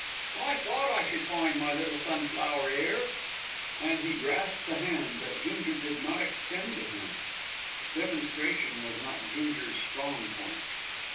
"I thought I should find my little sunflower 'ere," and he grasped the hand that Ginger did not extend to him. Demonstration was not Ginger's strong point.